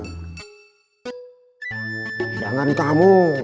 tidak ada yang menurutmu